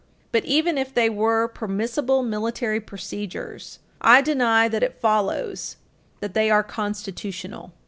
But even if they were permissible military procedures, I deny that it follows that they are constitutional.